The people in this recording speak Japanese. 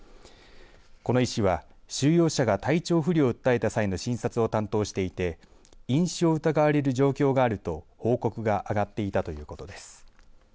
この医師は収容者が体調不良を訴えた際の診察を担当していて飲酒を疑われる状況があると報告が上がっていたということです。